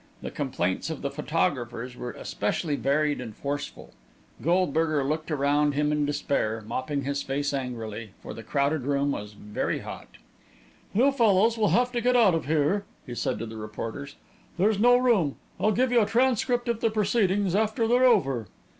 The complaints of the photographers were especially varied and forceful. Goldberger looked around him in despair, mopping his face angrily, for the crowded room was very hot. "You fellows will have to get out of here," he said to the reporters. "There's no room. I'll give you a transcript of the proceedings after they're over."